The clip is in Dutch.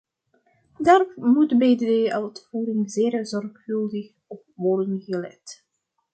Daar moet bij de uitvoering zeer zorgvuldig op worden gelet.